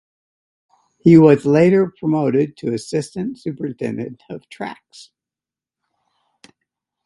He was later promoted to assistant superintendent of tracks.